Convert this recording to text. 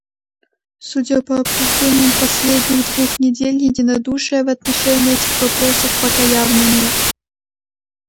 Судя по обсуждениям последних двух недель, единодушия в отношении этих вопросов пока явно нет.